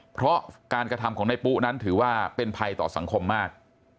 เพราะการกระทำของนายปุ๊นั้นถือว่าเป็นภัยต่อสังคมมาก